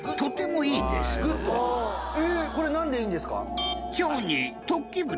これ、なんでいいんですか？